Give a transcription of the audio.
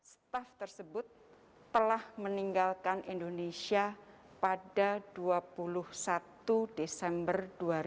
staff tersebut telah meninggalkan indonesia pada dua puluh satu desember dua ribu dua puluh